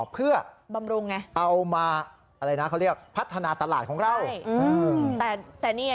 เพื่อเอามาพัฒนาตลาดของเราบำรุงไง